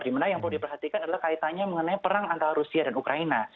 dimana yang perlu diperhatikan adalah kaitannya mengenai perang antara rusia dan ukraina